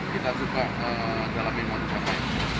kita suka dalamin manfaatnya